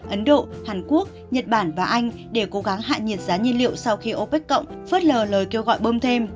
ấn độ hàn quốc nhật bản và anh để cố gắng hạ nhiệt giá nhiên liệu sau khi opec cộng phớt lờ lời kêu gọi bơm thêm